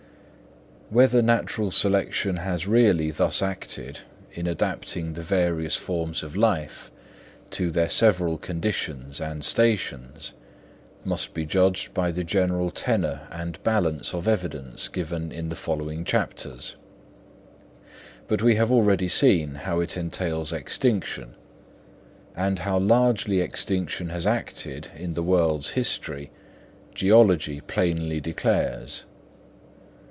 Whether natural selection has really thus acted in adapting the various forms of life to their several conditions and stations, must be judged by the general tenour and balance of evidence given in the following chapters. But we have already seen how it entails extinction; and how largely extinction has acted in the world's history, geology plainly declares.